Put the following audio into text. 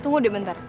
tunggu deh bentar